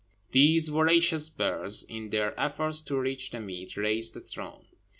These voracious birds, in their efforts to reach the meat, raised the throne.